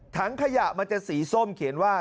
ถังขยะมันจะสีส้มเขียนว่า